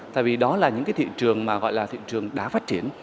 tại vì đó là những cái thị trường mà gọi là thị trường đã phát triển